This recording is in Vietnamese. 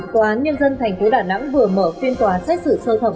tòa án nhân dân thành phố đà nẵng vừa mở phiên tòa xét xử sơ thẩm